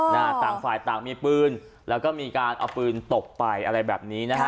ต่างฝ่ายต่างมีปืนแล้วก็มีการเอาปืนตบไปอะไรแบบนี้นะฮะ